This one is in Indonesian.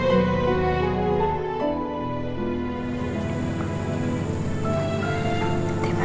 ini duanya me dewi